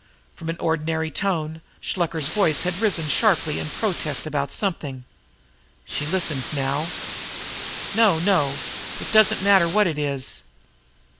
From an ordinary tone, Shluker' s voice had risen sharply in protest about something. She listened now: "No, no; it does not matter what it is!